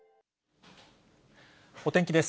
お天気です。